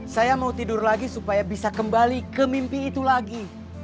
saya mau tidur lagi supaya bisa kembali ke mimpi itu lagi